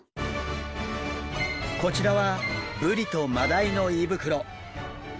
こちらはブリとマダイの胃袋。